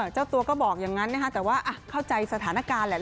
เจ้าตัวก็บอกอย่างนั้นนะคะแต่ว่าเข้าใจสถานการณ์แหละ